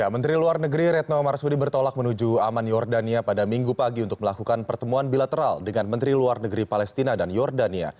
menteri luar negeri retno marsudi bertolak menuju aman jordania pada minggu pagi untuk melakukan pertemuan bilateral dengan menteri luar negeri palestina dan jordania